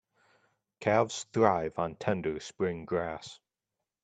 Calves thrive on tender spring grass.